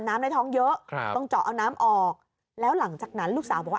ในท้องเยอะครับต้องเจาะเอาน้ำออกแล้วหลังจากนั้นลูกสาวบอกว่า